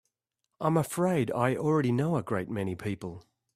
I'm afraid I already know a great many people.